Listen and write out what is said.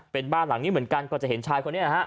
เป็นบ้านหลังนี้เหมือนกันก็จะเห็นชายคนนี้นะฮะ